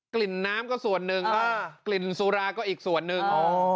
ลิ่นน้ำก็ส่วนหนึ่งกลิ่นสุราก็อีกส่วนหนึ่ง